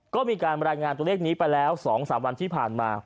ก็มีการรายงานตัวเลขนี้ไปแล้ว๒๓วันที่ผ่านมา